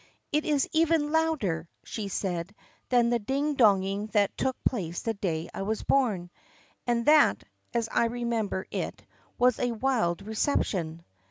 "It is even louder," she said, "than the ding donging that took place the day I was born. And that, as I remember it, was a wild reception."